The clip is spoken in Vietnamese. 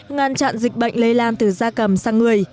ngăn chặn dịch bệnh lây lan từ da cầm sang người